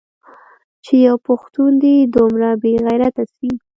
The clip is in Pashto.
چې يو پښتون دې دومره بې غيرته سي.